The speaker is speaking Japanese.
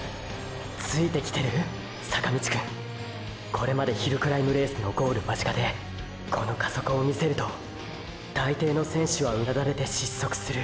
これまでヒルクライムレースのゴール間近でこの加速を見せるとたいていの選手はうなだれて失速する！！